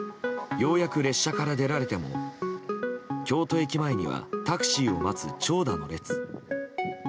ようやく列車から出られても京都駅前にはタクシーを待つ長蛇の列。